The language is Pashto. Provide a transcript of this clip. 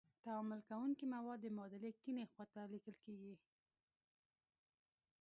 تعامل کوونکي مواد د معادلې کیڼې خواته لیکل کیږي.